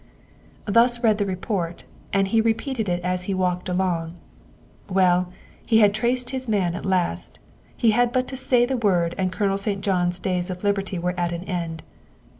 Thus read the report, and he repeated it as he walked along. Well, he had traced his man at last ; he had but to say the word and Colonel St. John's days of liberty were at an end.